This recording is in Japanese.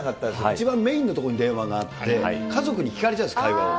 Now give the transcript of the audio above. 一番メインの所に電話があって、家族に聞かれてるんですよ、会話を。